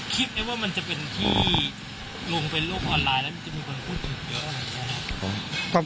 คิดไหมว่ามันจะเป็นที่ลงไปโลกออนไลน์แล้วมันจะมีคนพูดถึงเยอะอะไรอย่างนี้ครับ